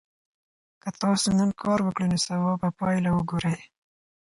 که تاسي نن کار وکړئ نو سبا به پایله وګورئ.